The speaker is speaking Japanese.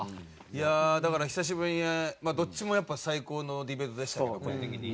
いやあだから久しぶりにどっちもやっぱ最高のディベートでしたけど個人的に。